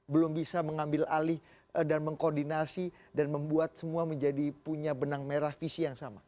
belum bisa mengambil alih dan mengkoordinasi dan membuat semua menjadi punya benang merah visi yang sama